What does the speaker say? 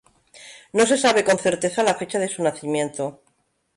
No se sabe con certeza la fecha de su nacimiento.